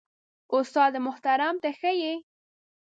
استاد محترم ته ښه يې؟